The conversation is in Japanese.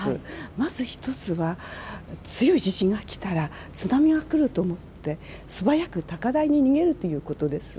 まず１つは、強い地震が来たら、津波が来ると思って、素早く高台に逃げるということです。